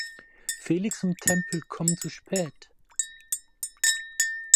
Felix und Temple kommen zu spät.